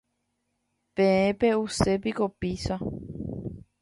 Peẽ pe'usépiko pizza.